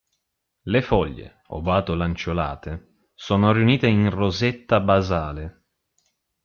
Le foglie, ovato-lanceolate, sono riunite in rosetta basale.